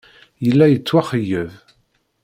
Yella yettwaxeyyeb.